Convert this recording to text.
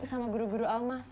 sama guru guru alma